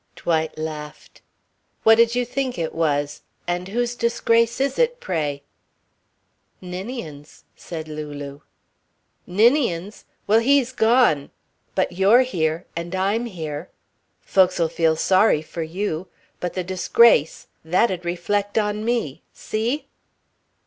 Dwight laughed. "What did you think it was? And whose disgrace is it, pray?" "Ninian's," said Lulu. "Ninian's! Well, he's gone. But you're here. And I'm here. Folks'll feel sorry for you. But the disgrace that'd reflect on me. See?"